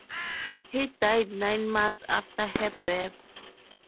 He died nine months after her birth.